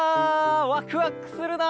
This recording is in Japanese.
ワクワクするな。